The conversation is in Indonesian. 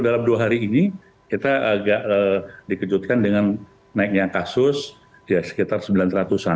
dalam dua hari ini kita agak dikejutkan dengan naiknya kasus ya sekitar sembilan ratus an